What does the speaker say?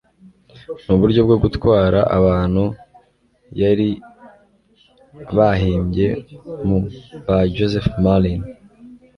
Ni uburyo bwo gutwara abantu yari bahimbye Mu By Joseph Merlin